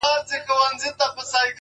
جالبه دا ده یار چي مخامخ جنجال ته ګورم~